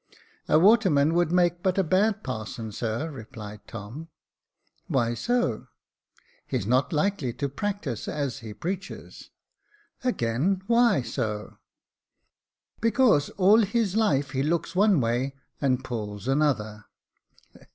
" A waterman would make but a bad parson, sir," replied Tom. "Why so.?" " He's not likely to practise as he preaches." *' Again, why so .?"" Because all his life he looks one way and pulls another."